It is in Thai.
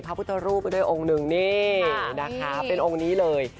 มีถอดรูปด้วยองค์นึงนี่เป็นองค์นี้เลย